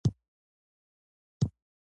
د ژوند رڼا هم د دوی په زړونو کې ځلېده.